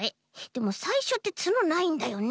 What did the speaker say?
でもさいしょってつのないんだよね？